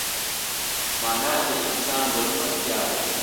معنی د انسان د روح اړتیا ده.